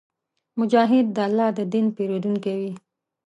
مجاهد د الله د دین پېرودونکی وي.